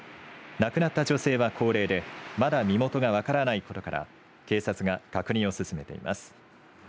亡くなった女性は高齢でまだ身元が分からないことから警察が確認を進めています。